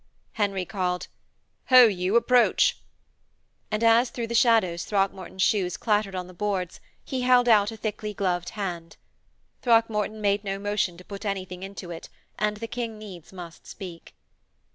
Henry called: 'Ho, you, approach!' and as through the shadows Throckmorton's shoes clattered on the boards he held out a thickly gloved hand. Throckmorton made no motion to put anything into it, and the King needs must speak.